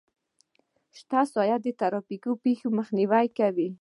شنه ساحه د ترافیکي پیښو مخنیوی کوي